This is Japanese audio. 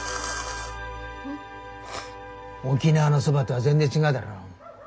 沖縄のそばとは全然違うだろ。